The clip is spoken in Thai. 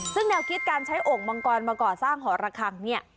ซึ่งแนวคิดการใช้โอ่งมังกรมาก่อสร้างหอระคังเนี่ย